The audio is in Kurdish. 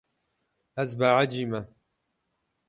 Ez behecî me.